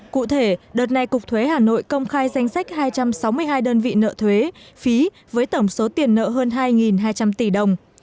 cụ thể đợt này cục thuế hà nội công khai danh sách hai trăm sáu mươi hai đơn vị nợ thuế phí với tổng số tiền nợ hơn hai hai trăm linh tỷ đồng